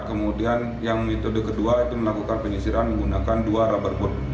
kemudian yang metode kedua itu melakukan penyisiran menggunakan dua rubber boat